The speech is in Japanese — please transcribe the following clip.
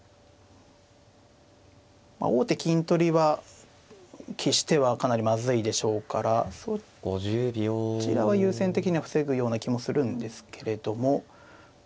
まあ王手金取りは喫してはかなりまずいでしょうからそちらを優先的に防ぐような気もするんですけれども。